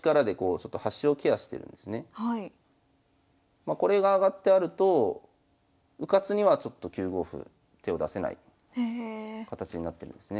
まこれが上がってあるとうかつにはちょっと９五歩手を出せない形になってるんですね。